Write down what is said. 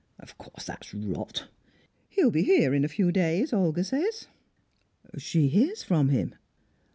Of course that's rot. He'll be here in a few days, Olga says." "She hears from him?"